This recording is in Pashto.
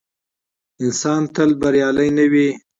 انسان تل بریالی نه وي.